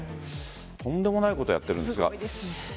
とんでもないことをやっているんです。